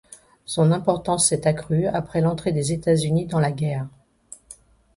Son importance s’est accrue après l’entrée des États-Unis dans la guerre.